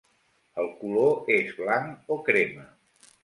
El color és blanc o crema.